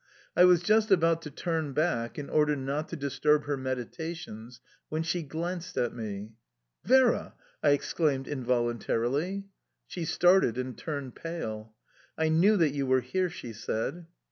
I was just about to turn back, in order not to disturb her meditations, when she glanced at me. "Vera!" I exclaimed involuntarily. She started and turned pale. "I knew that you were here," she said.